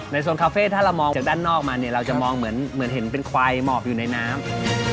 โซนคาเฟ่ถ้าเรามองจากด้านนอกมาเนี่ยเราจะมองเหมือนเห็นเป็นควายหมอบอยู่ในน้ำ